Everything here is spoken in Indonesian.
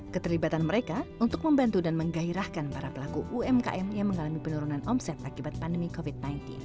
keterlibatan mereka untuk membantu dan menggairahkan para pelaku umkm yang mengalami penurunan omset akibat pandemi covid sembilan belas